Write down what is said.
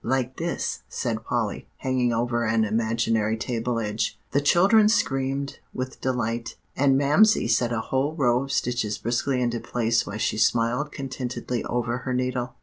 Like this," said Polly, hanging over an imaginary table edge. The children screamed with delight, and Mamsie set a whole row of stitches briskly into place while she smiled contentedly over her needle.